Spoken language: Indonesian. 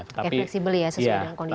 oke fleksibel ya sesuai dengan kondisi